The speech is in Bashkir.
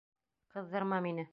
Ҡыҙҙырма мине.